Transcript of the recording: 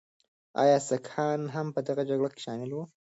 ایا سکهان هم په دغه جګړه کې شامل وو؟